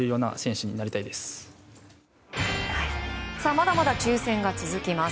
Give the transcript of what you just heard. まだまだ抽選が続きます。